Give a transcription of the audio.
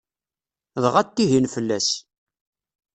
Dɣa ttihin fell-as.